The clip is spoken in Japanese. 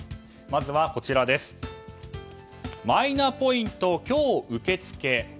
まずは、マイナポイント今日受け付け。